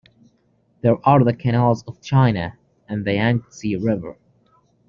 There are the canals of China, and the Yang-tse River.